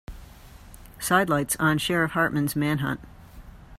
Sidelights on Sheriff Hartman's manhunt.